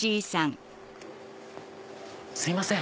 すいません。